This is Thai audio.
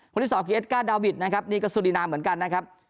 ที่สองคือเอสก้าดาวิทนะครับนี่ก็สุรินาเหมือนกันนะครับ